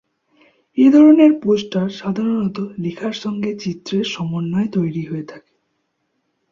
এ ধরনের পোস্টার সাধারণত লেখার সঙ্গে চিত্রের সমন্বয়ে তৈরি হয়ে থাকে।